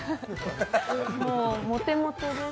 もう、モテモテです。